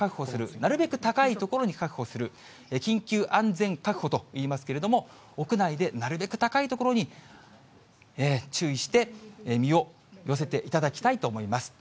なるべく高い所に確保する、緊急安全確保といいますけれども、屋内でなるべく高い所に、注意して、身を寄せていただきたいと思います。